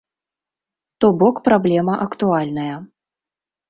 То бок праблема актуальная.